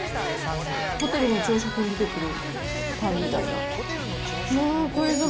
ホテルの朝食に出てくるパンみたいな。